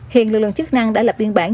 hiện lưu lượng chức năng đã lập biên bản